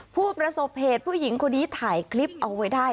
ผู้ประสบเหตุผู้หญิงคนนี้ถ่ายคลิปเอาไว้ได้